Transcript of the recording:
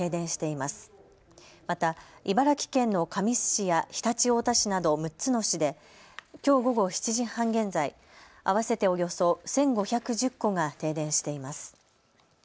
また茨城県の神栖市や常陸太田市など６つの市できょう午後７時半現在、合わせておよそ１５１０戸が停電しています。